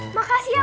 makasih ya pak